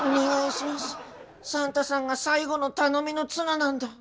サンタさんが最後の頼みの綱なんだ。